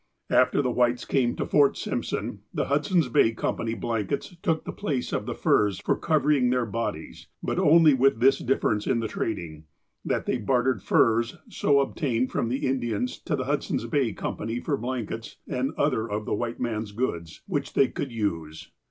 After the Whites came to Fort Simpson, the Hudson's Bay Company blankets took the place of the furs for cov ering their bodies, but only with this difference in the trading, that they bartered furs so obtained from the In terior to the Hudson's Bay Company for blankets and other of the white man's goods, which they could use.